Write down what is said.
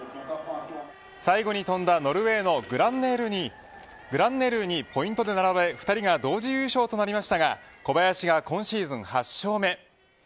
最後に飛んだノルウェーのグランネルーにポイントで並ばれ２人が同時優勝となりましたが小林が今シーズン８勝目。